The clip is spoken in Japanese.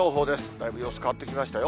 だいぶ様子変わってきましたよ。